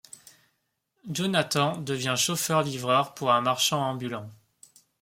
Jonathan devient chauffeur-livreur pour un marchand ambulant.